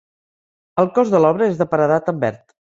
El cos de l'obra és de paredat en verd.